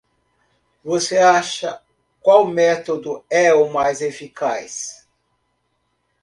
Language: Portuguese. Você acha qual método é o mais eficaz?